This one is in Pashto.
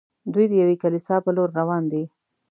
دوی د یوې کلیسا پر لور روان دي.